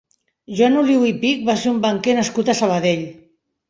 Joan Oliu i Pich va ser un banquer nascut a Sabadell.